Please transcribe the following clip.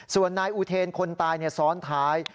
ส่วนนายอุเทนคนตายซ้อนท้าย